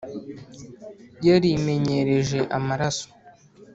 yarimenyereje amaraso